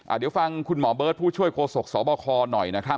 เดี๋ยวฟังคุณหมอเบิร์ตผู้ช่วยโฆษกสบคหน่อยนะครับ